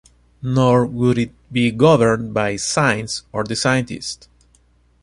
Nor would it be governed by science or the scientists.